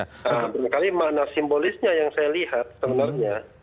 nah berangkali mana simbolisnya yang saya lihat sebenarnya